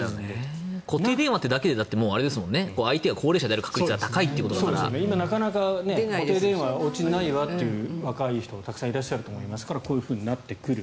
固定電話というだけで相手が高齢者である確率が今、なかなか固定電話おうちにないわという若い人たくさんいらっしゃると思いますからこういうふうになってくる。